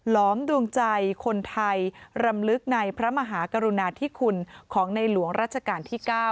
ล้อมดวงใจคนไทยรำลึกในพระมหากรุณาธิคุณของในหลวงราชการที่๙